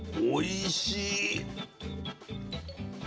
おいしい！